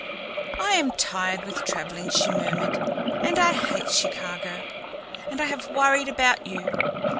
"I am tired with travelling," she murmured, "and I hate Chicago, and I have worried about you.